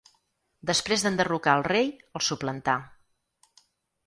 Després d'enderrocar el rei, el suplantà.